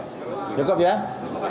jadi sekian terima kasih